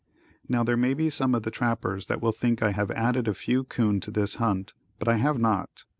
Now there may be some of the trappers that will think I have added a few 'coon to this hunt, but I have not.